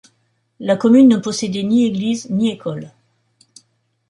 La commune ne possédait ni église ni école.